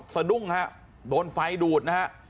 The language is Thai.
สะดุ้งฮะโดนไฟดูดนะฮะ